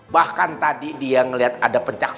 bahkan tadi dia ngelihat ada pencaksin